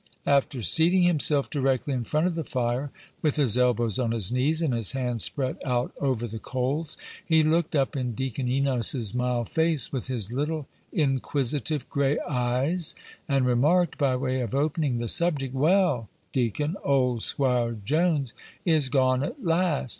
After seating himself directly in front of the fire, with his elbows on his knees, and his hands spread out over the coals, he looked up in Deacon Enos's mild face with his little inquisitive gray eyes, and remarked, by way of opening the subject, "Well, deacon, old 'Squire Jones is gone at last.